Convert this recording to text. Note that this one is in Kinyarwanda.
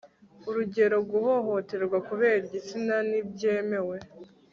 urugero guhohoterwa kubera igitsina ntibyemewe